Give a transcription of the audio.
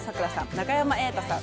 永山瑛太さん